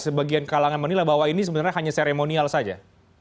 sebagian kalangan menilai bahwa ini sebenarnya hanya seremonial saja